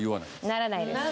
ならないです。